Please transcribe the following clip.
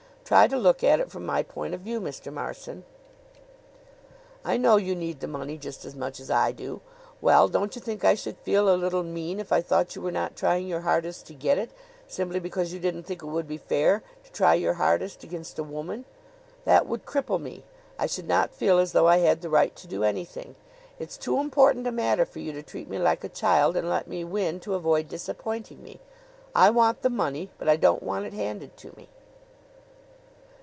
Try to look at it from my point of view, Mr. Marson. I know you need the money just as much as I do. Well, don't you think I should feel a little mean if I thought you were not trying your hardest to get it, simply because you didn't think it would be fair to try your hardest against a woman? That would cripple me. I should not feel as though I had the right to do anything. It's too important a matter for you to treat me like a child and let me win to avoid disappointing me. I want the money; but I don't want it handed to me."